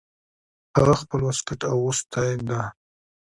هغه خپل واسکټ اغوستی ده